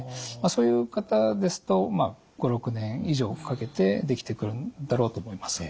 そういう方ですと５６年以上かけてできてくるんだろうと思います。